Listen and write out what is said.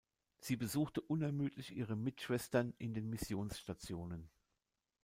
Sie besuchte unermüdlich ihre Mitschwestern in den Missionsstationen.